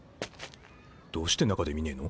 どうして中で見ねえの？